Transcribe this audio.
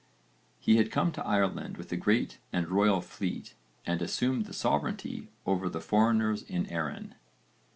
He had come to Ireland with a great and royal fleet and 'assumed the sovereignty over the foreigners in Erin.'